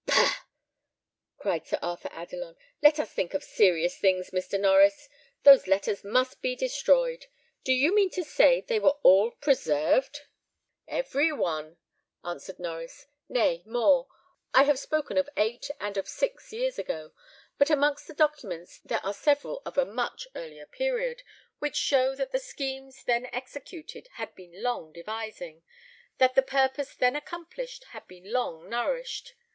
"Paha!" cried Sir Arthur Adelon; "let us think of serious things, Mr. Norries. Those letters must be destroyed. Do you mean to say they were all preserved?" "Every one," answered Norries; "nay, more. I have spoken of eight and of six years ago, but amongst the documents there are several of a much earlier period, which show that the schemes then executed had been long devising, that the purpose then accomplished had been long nourished.